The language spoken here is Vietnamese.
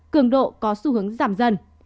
cường độ có xu hướng giảm dần